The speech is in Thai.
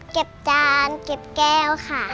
เก็บจานเก็บแก้วค่ะ